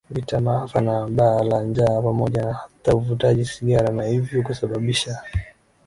vita maafa na baa la njaa pamoja na hata uvutaji sigara na hivyo kusababisha